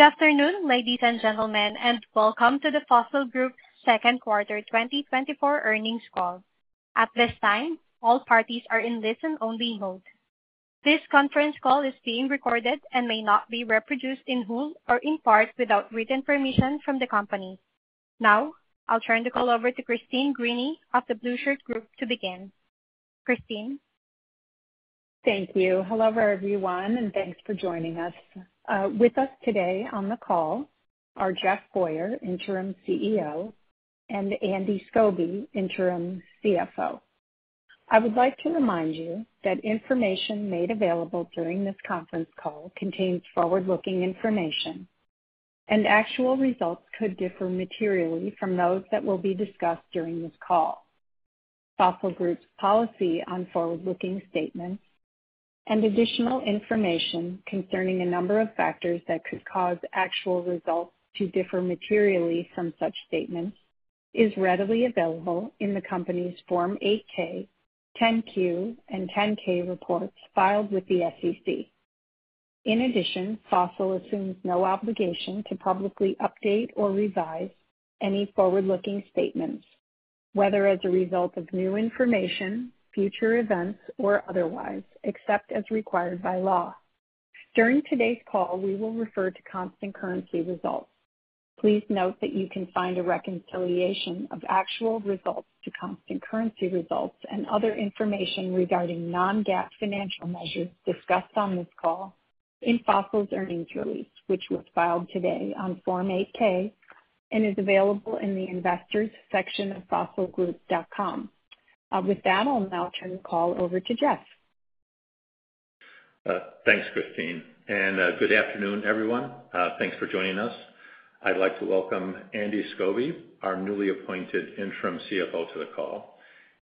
Good afternoon, ladies and gentlemen, and welcome to the Fossil Group Second Quarter 2024 Earnings Call. At this time, all parties are in listen-only mode. This conference call is being recorded and may not be reproduced in whole or in part without written permission from the company. Now, I'll turn the call over to Christine Greany of the Blueshirt Group to begin. Christine? Thank you. Hello, everyone, and thanks for joining us. With us today on the call are Jeff Boyer, Interim CEO, and Andy Skobe, Interim CFO. I would like to remind you that information made available during this conference call contains forward-looking information, and actual results could differ materially from those that will be discussed during this call. Fossil Group's policy on forward-looking statements and additional information concerning a number of factors that could cause actual results to differ materially from such statements is readily available in the company's Form 8-K, 10-Q, and 10-K reports filed with the SEC. In addition, Fossil assumes no obligation to publicly update or revise any forward-looking statements, whether as a result of new information, future events, or otherwise, except as required by law. During today's call, we will refer to constant currency results. Please note that you can find a reconciliation of actual results to constant currency results and other information regarding non-GAAP financial measures discussed on this call in Fossil's earnings release, which was filed today on Form 8-K and is available in the Investors section of fossilgroup.com. With that, I'll now turn the call over to Jeff. Thanks, Christine, and good afternoon, everyone. Thanks for joining us. I'd like to welcome Andy Skobe, our newly appointed interim CFO, to the call.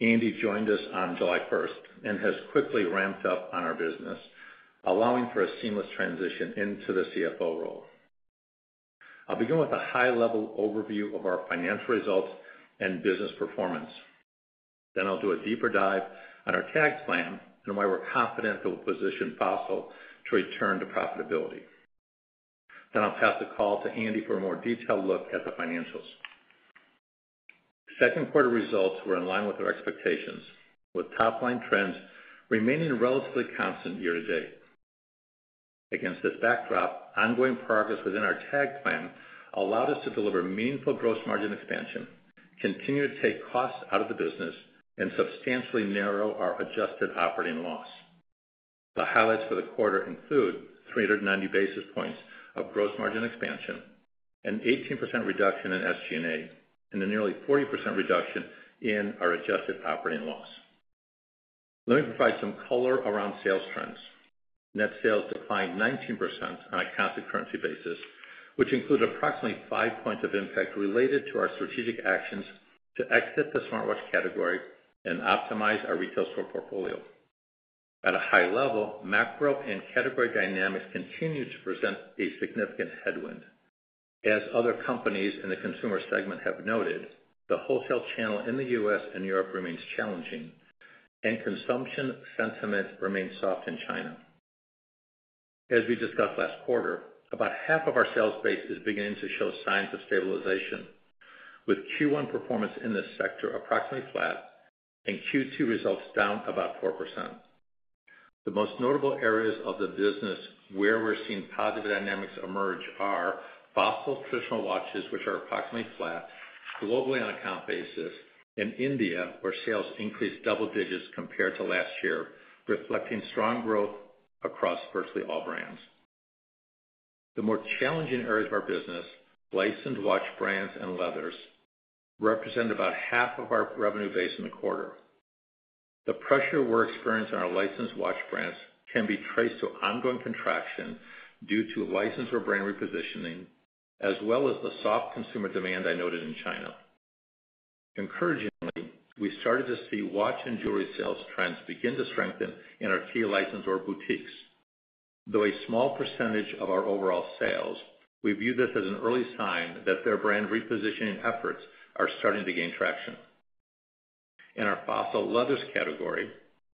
Andy joined us on July first and has quickly ramped up on our business, allowing for a seamless transition into the CFO role. I'll begin with a high-level overview of our financial results and business performance. Then I'll do a deeper dive on our TAG plan and why we're confident it will position Fossil to return to profitability. Then I'll pass the call to Andy for a more detailed look at the financials. Second quarter results were in line with our expectations, with top-line trends remaining relatively constant year-to-date. Against this backdrop, ongoing progress within our TAG plan allowed us to deliver meaningful gross margin expansion, continue to take costs out of the business, and substantially narrow our adjusted operating loss. The highlights for the quarter include 390 basis points of gross margin expansion, an 18% reduction in SG&A, and a nearly 40% reduction in our adjusted operating loss. Let me provide some color around sales trends. Net sales declined 19% on a constant currency basis, which included approximately 5 points of impact related to our strategic actions to exit the smartwatch category and optimize our retail store portfolio. At a high level, macro and category dynamics continued to present a significant headwind. As other companies in the consumer segment have noted, the wholesale channel in the U.S. and Europe remains challenging, and consumption sentiment remains soft in China. As we discussed last quarter, about half of our sales base is beginning to show signs of stabilization, with Q1 performance in this sector approximately flat and Q2 results down about 4%. The most notable areas of the business where we're seeing positive dynamics emerge are Fossil traditional watches, which are approximately flat globally on a count basis, and India, where sales increased double digits compared to last year, reflecting strong growth across virtually all brands. The more challenging areas of our business, licensed watch brands and leathers, represent about half of our revenue base in the quarter. The pressure we're experiencing on our licensed watch brands can be traced to ongoing contraction due to licensor brand repositioning, as well as the soft consumer demand I noted in China. Encouragingly, we started to see watch and jewelry sales trends begin to strengthen in our key licensor boutiques. Though a small percentage of our overall sales, we view this as an early sign that their brand repositioning efforts are starting to gain traction. In our Fossil Leathers category,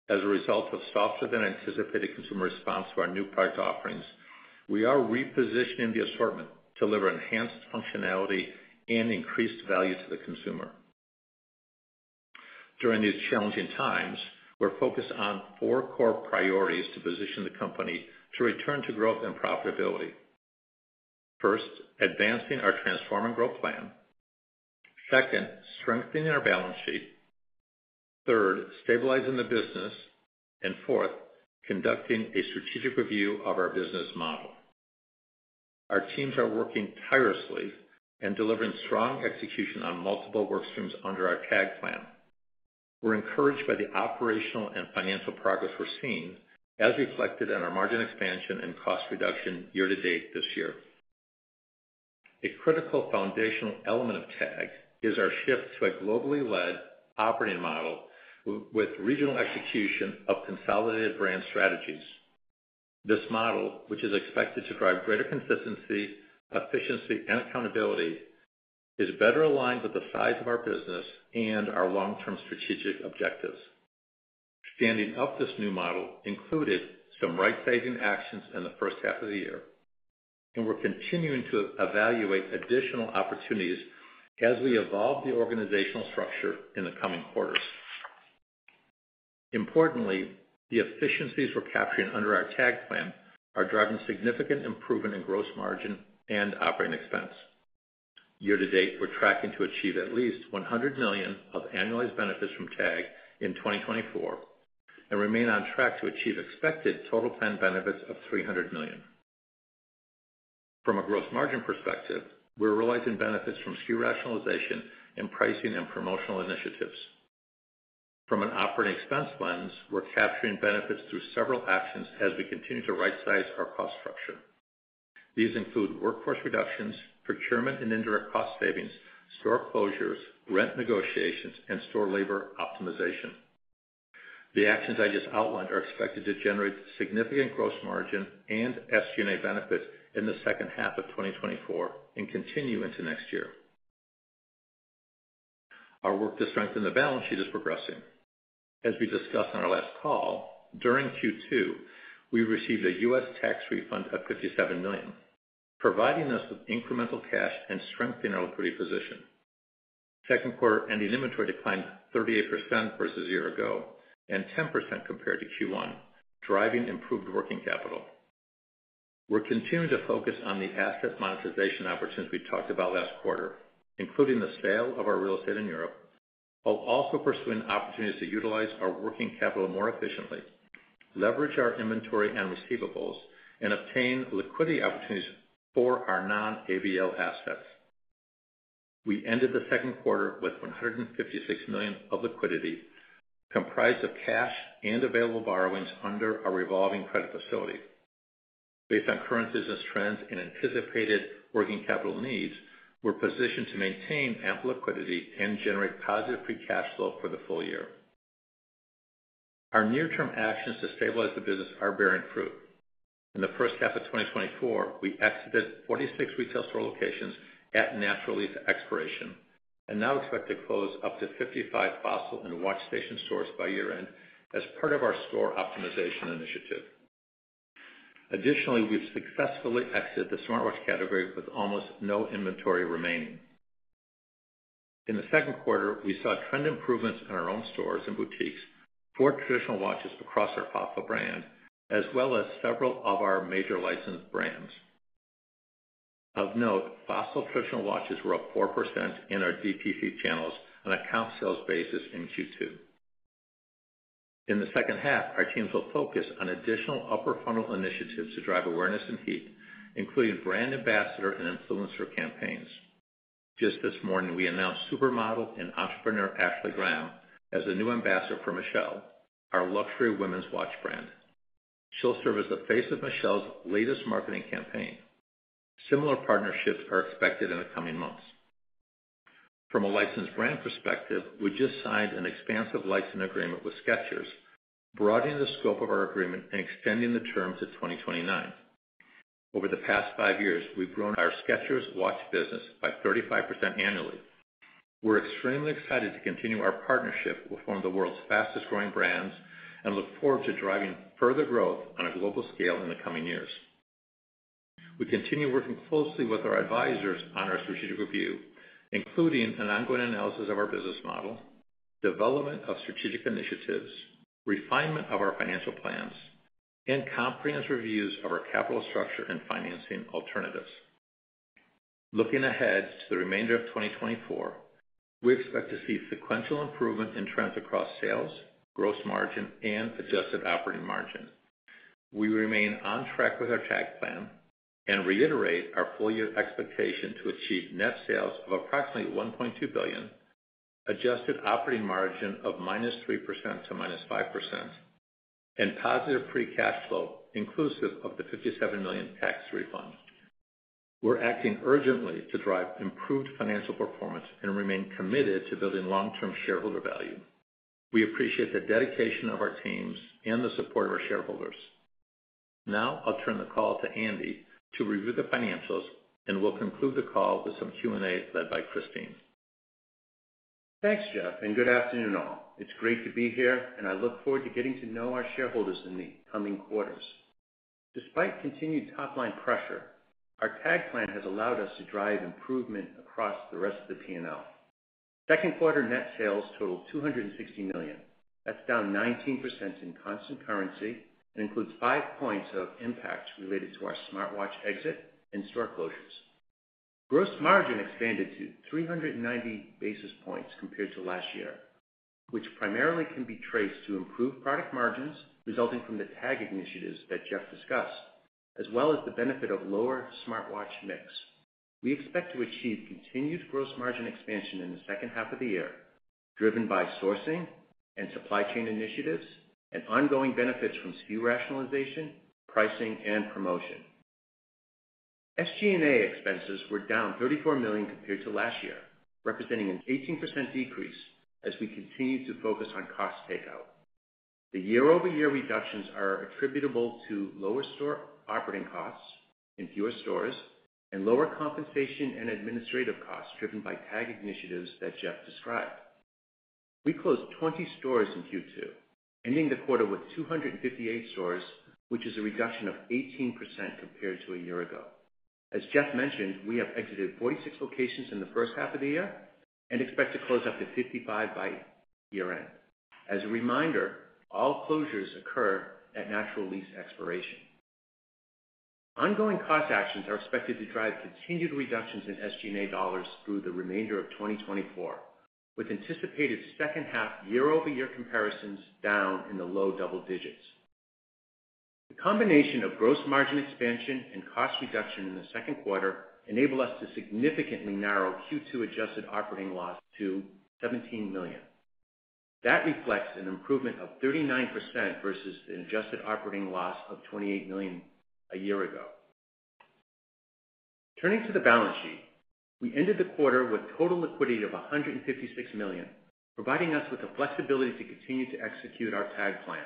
as a result of softer-than-anticipated consumer response to our new product offerings, we are repositioning the assortment to deliver enhanced functionality and increased value to the consumer. During these challenging times, we're focused on four core priorities to position the company to return to growth and profitability. First, advancing our transform and growth plan. Second, strengthening our balance sheet. Third, stabilizing the business. And fourth, conducting a strategic review of our business model. Our teams are working tirelessly and delivering strong execution on multiple work streams under our TAG plan. We're encouraged by the operational and financial progress we're seeing, as reflected in our margin expansion and cost reduction year-to-date this year. A critical foundational element of TAG is our shift to a globally led operating model with regional execution of consolidated brand strategies. This model, which is expected to drive greater consistency, efficiency, and accountability, is better aligned with the size of our business and our long-term strategic objectives. Standing up this new model included some rightsizing actions in the first half of the year, and we're continuing to evaluate additional opportunities as we evolve the organizational structure in the coming quarters. Importantly, the efficiencies we're capturing under our TAG plan are driving significant improvement in gross margin and operating expense. Year-to-date, we're tracking to achieve at least $100 million of annualized benefits from TAG in 2024, and remain on track to achieve expected total plan benefits of $300 million. From a gross margin perspective, we're realizing benefits from SKU rationalization and pricing and promotional initiatives. From an operating expense lens, we're capturing benefits through several actions as we continue to rightsize our cost structure. These include workforce reductions, procurement and indirect cost savings, store closures, rent negotiations, and store labor optimization. The actions I just outlined are expected to generate significant gross margin and SG&A benefits in the second half of 2024 and continue into next year. Our work to strengthen the balance sheet is progressing. As we discussed on our last call, during Q2, we received a U.S. tax refund of $57 million, providing us with incremental cash and strengthening our liquidity position. Second quarter, ending inventory declined 38% versus a year ago, and 10% compared to Q1, driving improved working capital. We're continuing to focus on the asset monetization opportunities we talked about last quarter, including the sale of our real estate in Europe. While also pursuing opportunities to utilize our working capital more efficiently, leverage our inventory and receivables, and obtain liquidity opportunities for our non-ABL assets. We ended the second quarter with $156 million of liquidity, comprised of cash and available borrowings under our revolving credit facility. Based on current business trends and anticipated working capital needs, we're positioned to maintain ample liquidity and generate positive free cash flow for the full year. Our near-term actions to stabilize the business are bearing fruit. In the first half of 2024, we exited 46 retail store locations at natural lease expiration, and now expect to close up to 55 Fossil and Watch Station stores by year-end as part of our store optimization initiative. Additionally, we've successfully exited the smartwatch category with almost no inventory remaining. In the second quarter, we saw trend improvements in our own stores and boutiques for traditional watches across our Fossil brand, as well as several of our major licensed brands. Of note, Fossil traditional watches were up 4% in our DTC channels on a count sales basis in Q2. In the second half, our teams will focus on additional upper funnel initiatives to drive awareness and heat, including brand ambassador and influencer campaigns. Just this morning, we announced supermodel and entrepreneur, Ashley Graham, as the new ambassador for Michele, our luxury women's watch brand. She'll serve as the face of Michele's latest marketing campaign. Similar partnerships are expected in the coming months. From a licensed brand perspective, we just signed an expansive licensing agreement with Skechers, broadening the scope of our agreement and extending the term to 2029. Over the past five years, we've grown our Skechers watch business by 35% annually. We're extremely excited to continue our partnership with one of the world's fastest-growing brands, and look forward to driving further growth on a global scale in the coming years. We continue working closely with our advisors on our strategic review, including an ongoing analysis of our business model, development of strategic initiatives, refinement of our financial plans, and comprehensive reviews of our capital structure and financing alternatives. Looking ahead to the remainder of 2024, we expect to see sequential improvement in trends across sales, gross margin, and adjusted operating margin. We remain on track with our TAG Plan and reiterate our full year expectation to achieve net sales of approximately $1.2 billion, adjusted operating margin of -3% to -5%, and positive free cash flow, inclusive of the $57 million tax refund. We're acting urgently to drive improved financial performance and remain committed to building long-term shareholder value. We appreciate the dedication of our teams and the support of our shareholders. Now, I'll turn the call to Andy to review the financials, and we'll conclude the call with some Q&A, led by Christine. Thanks, Jeff, and good afternoon, all. It's great to be here, and I look forward to getting to know our shareholders in the coming quarters. Despite continued top-line pressure, our TAG plan has allowed us to drive improvement across the rest of the P&L. Second quarter net sales totaled $260 million. That's down 19% in constant currency and includes five points of impact related to our smartwatch exit and store closures. Gross margin expanded to 390 basis points compared to last year, which primarily can be traced to improved product margins resulting from the TAG initiatives that Jeff discussed, as well as the benefit of lower smartwatch mix. We expect to achieve continued gross margin expansion in the second half of the year, driven by sourcing and supply chain initiatives, and ongoing benefits from SKU rationalization, pricing, and promotion. SG&A expenses were down $34 million compared to last year, representing an 18% decrease as we continue to focus on cost takeout. The year-over-year reductions are attributable to lower store operating costs in fewer stores and lower compensation and administrative costs driven by TAG initiatives that Jeff described. We closed 20 stores in Q2, ending the quarter with 258 stores, which is a reduction of 18% compared to a year ago. As Jeff mentioned, we have exited 46 locations in the first half of the year and expect to close up to 55 by year-end. As a reminder, all closures occur at natural lease expiration. Ongoing cost actions are expected to drive continued reductions in SG&A dollars through the remainder of 2024, with anticipated second half year-over-year comparisons down in the low double digits. The combination of gross margin expansion and cost reduction in the second quarter enable us to significantly narrow Q2 adjusted operating loss to $17 million. That reflects an improvement of 39% versus an adjusted operating loss of $28 million a year ago. Turning to the balance sheet. We ended the quarter with total liquidity of $156 million, providing us with the flexibility to continue to execute our TAG plan.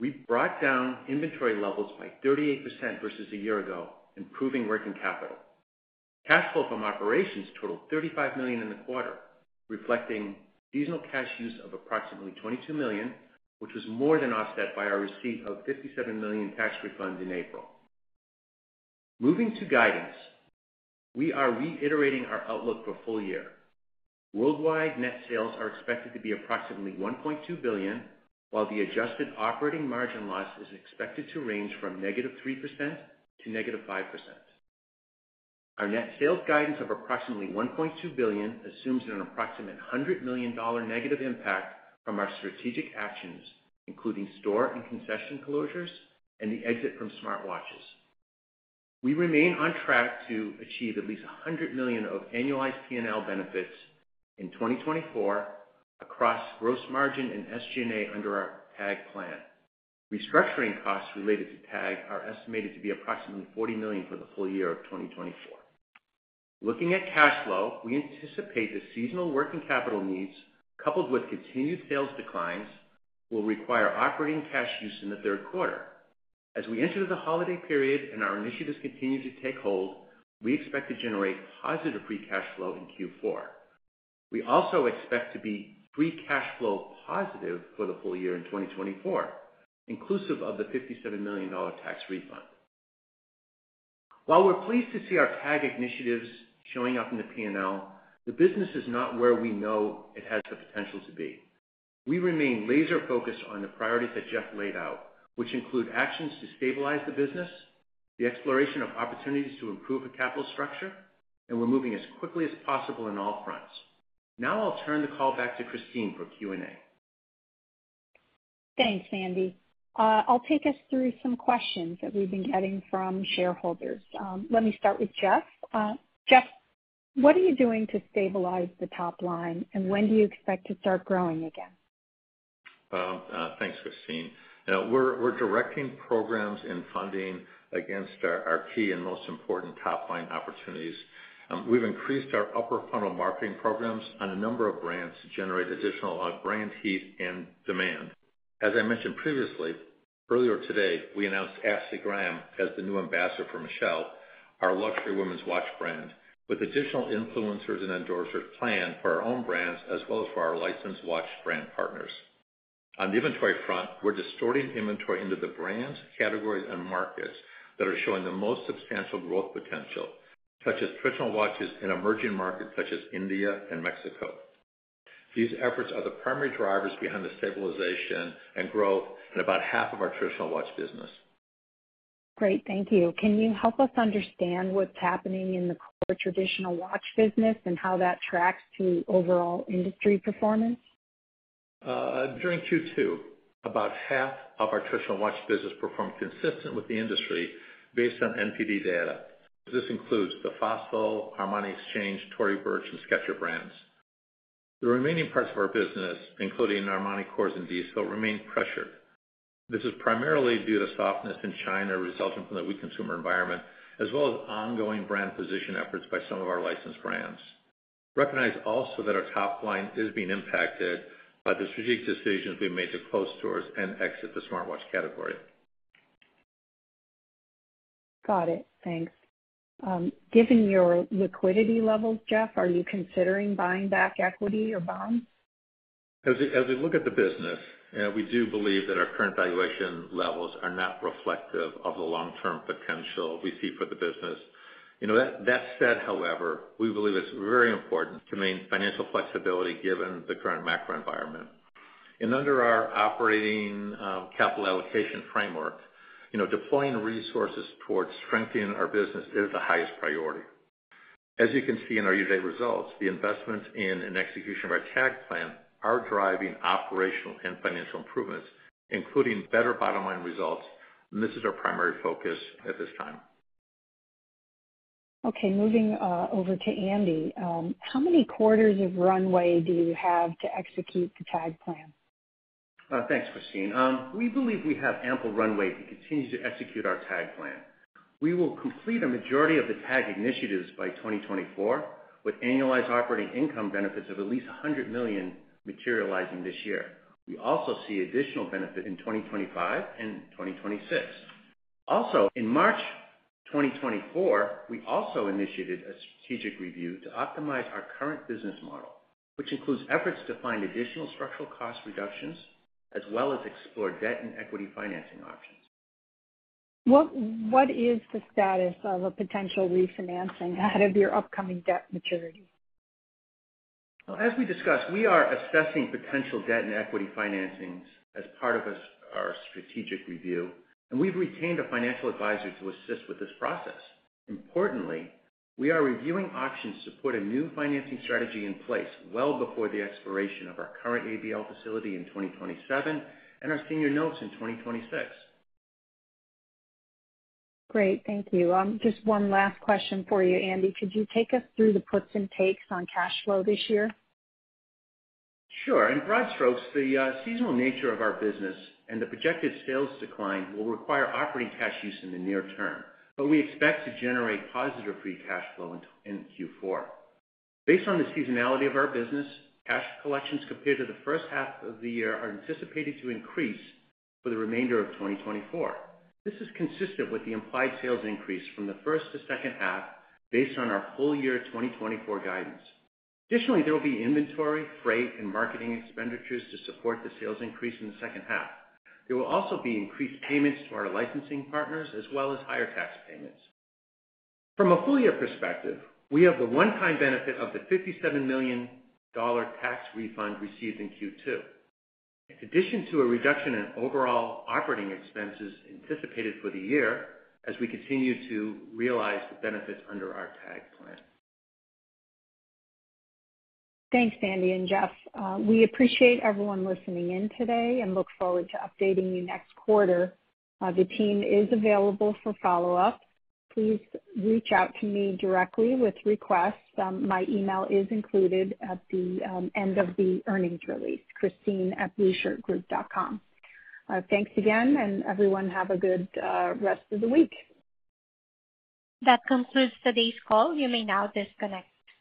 We brought down inventory levels by 38% versus a year ago, improving working capital. Cash flow from operations totaled $35 million in the quarter, reflecting seasonal cash use of approximately $22 million, which was more than offset by our receipt of $57 million tax refund in April. Moving to guidance, we are reiterating our outlook for full year. Worldwide net sales are expected to be approximately $1.2 billion, while the adjusted operating margin loss is expected to range from -3% to -5%. Our net sales guidance of approximately $1.2 billion assumes an approximately $100 million negative impact from our strategic actions, including store and concession closures and the exit from smartwatches. We remain on track to achieve at least $100 million of annualized P&L benefits in 2024 across gross margin and SG&A under our TAG plan. Restructuring costs related to TAG are estimated to be approximately $40 million for the full year of 2024. Looking at cash flow, we anticipate the seasonal working capital needs, coupled with continued sales declines, will require operating cash use in the third quarter. As we enter the holiday period and our initiatives continue to take hold, we expect to generate positive Free Cash Flow in Q4. We also expect to be Free Cash Flow positive for the full year in 2024, inclusive of the $57 million tax refund. While we're pleased to see our TAG initiatives showing up in the P&L, the business is not where we know it has the potential to be. We remain laser focused on the priorities that Jeff laid out, which include actions to stabilize the business, the exploration of opportunities to improve the capital structure, and we're moving as quickly as possible on all fronts. Now I'll turn the call back to Christine for Q&A. Thanks, Andy. I'll take us through some questions that we've been getting from shareholders. Let me start with Jeff. Jeff, what are you doing to stabilize the top line, and when do you expect to start growing again? Well, thanks, Christine. You know, we're directing programs and funding against our key and most important top-line opportunities. We've increased our upper funnel marketing programs on a number of brands to generate additional brand heat and demand. As I mentioned previously, earlier today, we announced Ashley Graham as the new ambassador for Michele, our luxury women's watch brand, with additional influencers and endorsers planned for our own brands as well as for our licensed watch brand partners. On the inventory front, we're distributing inventory into the brands, categories, and markets that are showing the most substantial growth potential, such as traditional watches in emerging markets such as India and Mexico. These efforts are the primary drivers behind the stabilization and growth in about half of our traditional watch business. Great. Thank you. Can you help us understand what's happening in the core traditional watch business and how that tracks to overall industry performance? During Q2, about half of our traditional watch business performed consistent with the industry based on NPD data. This includes the Fossil, Armani Exchange, Tory Burch, and Skechers brands. The remaining parts of our business, including Michael Kors and Diesel, remain pressured. This is primarily due to softness in China, resulting from the weak consumer environment, as well as ongoing brand position efforts by some of our licensed brands. Recognize also that our top line is being impacted by the strategic decisions we've made to close stores and exit the smartwatch category. Got it. Thanks. Given your liquidity levels, Jeff, are you considering buying back equity or bonds? As we, as we look at the business, we do believe that our current valuation levels are not reflective of the long-term potential we see for the business. You know, that, that said, however, we believe it's very important to maintain financial flexibility given the current macro environment. And under our operating, capital allocation framework, you know, deploying resources towards strengthening our business is the highest priority. As you can see in our year-to-date results, the investments in and execution of our TAG Plan are driving operational and financial improvements, including better bottom-line results, and this is our primary focus at this time. Okay. Moving over to Andy. How many quarters of runway do you have to execute the TAG Plan? Thanks, Christine. We believe we have ample runway to continue to execute our TAG Plan. We will complete a majority of the TAG initiatives by 2024, with annualized operating income benefits of at least $100 million materializing this year. We also see additional benefit in 2025 and 2026…. Also, in March 2024, we also initiated a strategic review to optimize our current business model, which includes efforts to find additional structural cost reductions, as well as explore debt and equity financing options. What is the status of a potential refinancing out of your upcoming debt maturity? Well, as we discussed, we are assessing potential debt and equity financings as part of our strategic review, and we've retained a financial advisor to assist with this process. Importantly, we are reviewing options to put a new financing strategy in place well before the expiration of our current ABL facility in 2027 and our senior notes in 2026. Great, thank you. Just one last question for you, Andy. Could you take us through the puts and takes on cash flow this year? Sure. In broad strokes, the seasonal nature of our business and the projected sales decline will require operating cash use in the near term, but we expect to generate positive free cash flow in Q4. Based on the seasonality of our business, cash collections compared to the first half of the year are anticipated to increase for the remainder of 2024. This is consistent with the implied sales increase from the first to second half based on our full year 2024 guidance. Additionally, there will be inventory, freight, and marketing expenditures to support the sales increase in the second half. There will also be increased payments to our licensing partners as well as higher tax payments. From a full year perspective, we have the one-time benefit of the $57 million tax refund received in Q2, in addition to a reduction in overall operating expenses anticipated for the year as we continue to realize the benefits under our TAG Plan. Thanks, Andy and Jeff. We appreciate everyone listening in today and look forward to updating you next quarter. The team is available for follow-up. Please reach out to me directly with requests. My email is included at the end of the earnings release, christine@blueshirtgroup.com. Thanks again, and everyone have a good rest of the week. That concludes today's call. You may now disconnect.